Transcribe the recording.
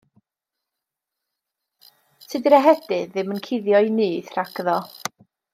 Tydi'r ehedydd ddim yn cuddio'u nyth rhagddo.